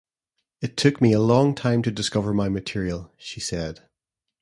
"It took me a long time to discover my material", she said.